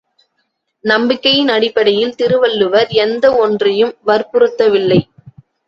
நம்பிக்கையின் அடிப்படையில் திருவள்ளுவர் எந்த ஒன்றையும் வற்புறுத்தவில்லை.